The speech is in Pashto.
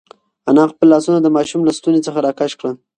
انا خپل لاسونه د ماشوم له ستوني څخه راکش کړل.